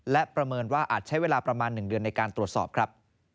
และประเมินว่าอาจใช้เวลาประมาณ๑เดือนในการตรวจสอบครับ